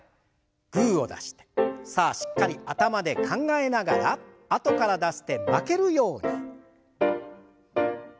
グーを出してさあしっかり頭で考えながらあとから出す手負けるように。